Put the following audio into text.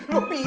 loh piet ya